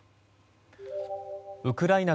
ウクライナ